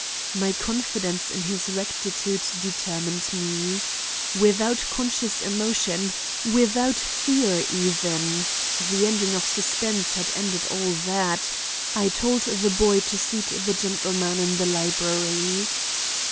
My confidence in his rectitude determined me. Without conscious emotion, without fear even,—the ending of suspense had ended all that,—I told the boy to seat the gentleman in the library.